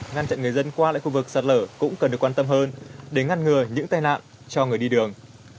ngăn chặn người dân qua lại khu vực sạt lở cũng cần được quan tâm hơn để ngăn ngừa những tai nạn cho người đi đường